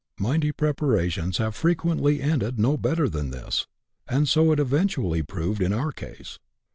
37 Mighty preparations have frequently ended no better than this ; and so it eventually proved in our case.